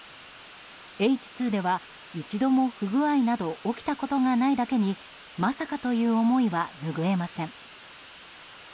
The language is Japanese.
Ｈ２では一度も不具合など起きたことがないだけにまさかという思いは拭えません。